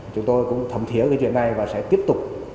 chúng tôi cũng thẩm thiếu cái chuyện này và sẽ tiếp tục